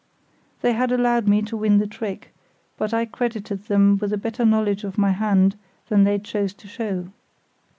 They had allowed me to win the trick, but I credited them with a better knowledge of my hand than they chose to show.